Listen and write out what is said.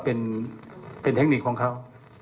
เป็นเทคนิคของเขา